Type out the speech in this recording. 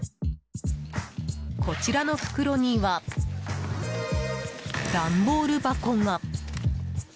こちらの袋にはダンボール箱が。